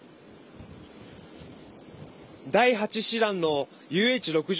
第８師団のＵＨ‐６０